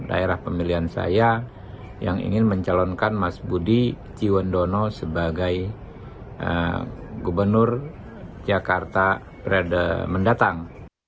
daerah pemilihan saya yang ingin mencalonkan mas budi ciwandono sebagai gubernur jakarta periode mendatang